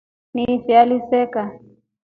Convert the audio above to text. Ni fi aliseka.